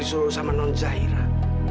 disuruh sama non zairah